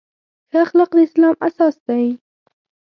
ښه اخلاق د اسلام اساس دی.